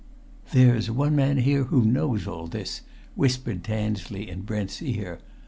"There's one man here who knows all this!" whispered Tansley in Brent's ear.